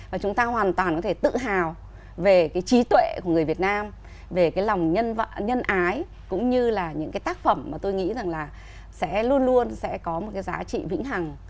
và chúng ta hoàn toàn có thể tự hào về cái trí tuệ của người việt nam về cái lòng nhân ái cũng như là những cái tác phẩm mà tôi nghĩ rằng là sẽ luôn luôn sẽ có một cái giá trị vĩnh hằng